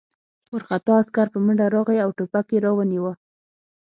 وارخطا عسکر په منډه راغی او ټوپک یې را ونیاوه